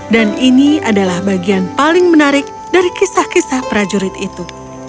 dan ini adalah bagian paling menarik dari kisah kisah prajurit itu